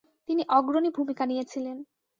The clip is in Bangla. তিনি অগ্রণী ভূমিকা নিয়েছিলেন।